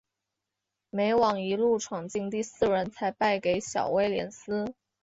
美网一路闯进第四轮才败给小威廉丝。